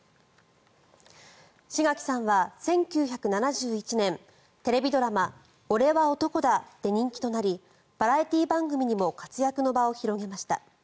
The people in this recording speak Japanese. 志垣さんは１９７１年テレビドラマ「おれは男だ！」で人気となりバラエティー番組にも活躍の場を広げました。